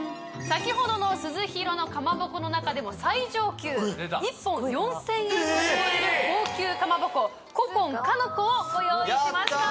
先ほどの鈴廣のかまぼこの中でも最上級１本４０００円を超える高級かまぼこ古今鹿の子をご用意しました！